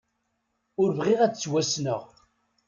Ur bɣiɣ ad ttwassneɣ.